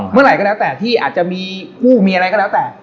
เมื่อไหร่ก็แล้วแต่ที่อาจจะมีคู่มีอะไรก็แล้วแต่